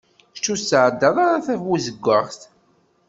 Kečč ur tsɛeddaḍ ara tabuzeggaɣt.